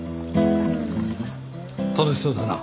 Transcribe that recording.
楽しそうだな。